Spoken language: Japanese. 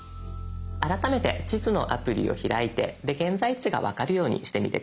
改めて地図のアプリを開いて現在地が分かるようにしてみて下さい。